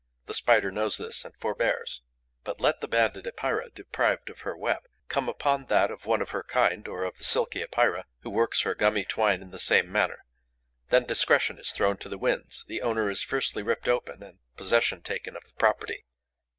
The Spider knows this and forbears. But let the Banded Epeira, deprived of her web, come upon that of one of her kind or of the Silky Epeira, who works her gummy twine in the same manner: then discretion is thrown to the winds; the owner is fiercely ripped open and possession taken of the property.